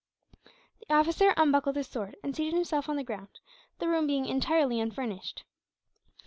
The officer unbuckled his sword, and seated himself on the ground, the room being entirely unfurnished.